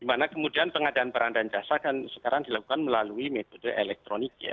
dimana kemudian pengadaan barang dan jasa kan sekarang dilakukan melalui metode elektronik ya